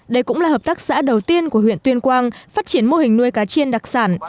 đây cũng là hợp tác xã đầu tiên của huyện tuyên quang phát triển mô hình nuôi cá chiên đặc sản